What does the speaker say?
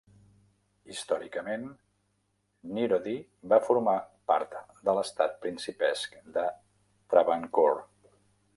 Històricament, Neerody va formar part de l'estat principesc de Travancore.